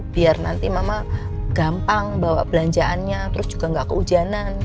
biar nanti mama gampang bawa belanjaannya terus juga nggak kehujanan